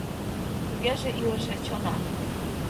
Тугеже илыше, чонан.